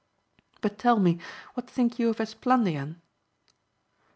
But tell me, what think you of Esplandian?